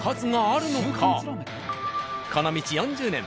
この道４０年